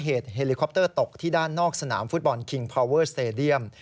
เฮลิคอปเตอร์ตกที่ด้านนอกสนามฟุตบอลคิงพอเวอร์สเตดียม